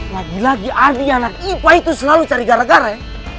lagi lagi adik anak ipa itu selalu cari gara gara ya